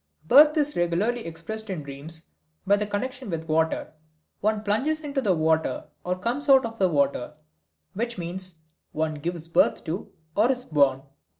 Birth is regularly expressed in dreams by some connection with water; one plunges into the water, or comes out of the water, which means one gives birth to, or is born.